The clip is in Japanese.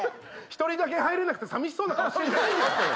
一人だけ入れなくてさみしそうな顔してんじゃないよ。